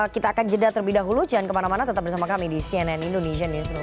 kita akan jeda terlebih dahulu jangan kemana mana tetap bersama kami di cnn indonesian newsroom